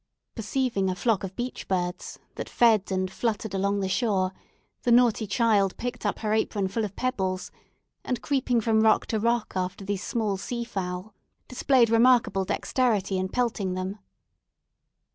Perceiving a flock of beach birds that fed and fluttered along the shore, the naughty child picked up her apron full of pebbles, and, creeping from rock to rock after these small sea fowl, displayed remarkable dexterity in pelting them.